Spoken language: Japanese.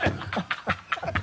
ハハハ